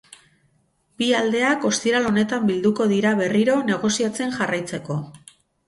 Bi aldeak ostiral honetan bilduko dira berriro negoziatzen jarraitzeko.